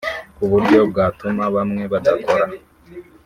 ku buryo byatuma bamwe badakora